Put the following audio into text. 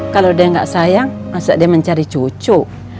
kalau dia gak sayang maksudnya dia mencari cucu